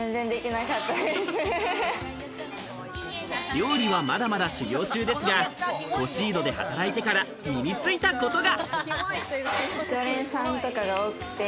料理は、まだまだ修行中ですが、コシードで働いてから身についたことが。